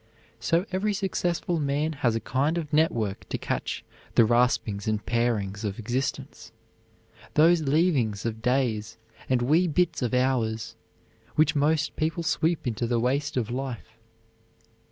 So every successful man has a kind of network to catch "the raspings and parings of existence, those leavings of days and wee bits of hours" which most people sweep into the waste of life.